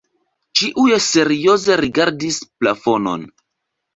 Ĉiuj serioze rigardis plafonon.